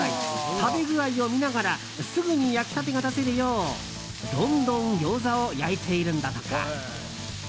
食べ具合を見ながらすぐに焼きたてが出せるようどんどん餃子を焼いているのだとか。